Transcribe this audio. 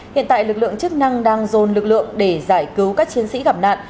hiện tại lực lượng chức năng đang dồn lực lượng để giải cứu các chiến sĩ gặp nạn